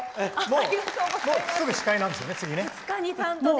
もうすぐ司会なんですよね。